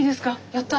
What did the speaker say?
やった！